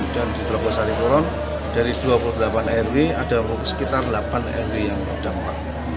dan di kelabasan ibu dari dua puluh delapan rw ada sekitar delapan rw yang terdapat